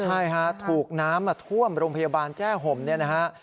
ใช่ฮะถูกน้ำมาท่วมโรงพยาบาลแจ้ห่มเนี่ยนะฮะ